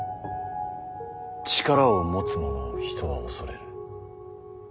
力を持つ者を人は恐れる。